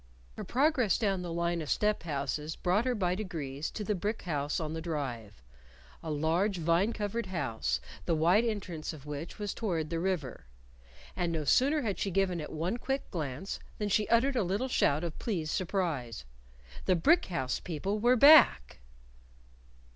Her progress down the line of step houses brought her by degrees to the brick house on the Drive a large vine covered house, the wide entrance of which was toward the river. And no sooner had she given it one quick glance than she uttered a little shout of pleased surprise. The brick house people were back!